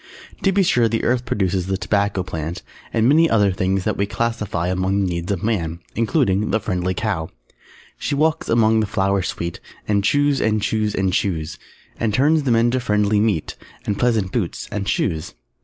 ] To be sure the Earth produces the Tobacco Plant, and many other things that we classify among the needs of Man, including the "Friendly Cow" She walks among the flowers sweet And chews and chews and chews, And turns them into friendly meat, _And pleasant boots and shoes.